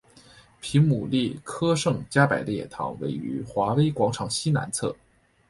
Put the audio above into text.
皮姆利科圣加百列堂位于华威广场西南侧。